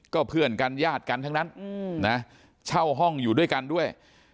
ก็เพื่อนกันญาติกันทั้งนั้นนะเช่าห้องอยู่ด้วยกันด้วย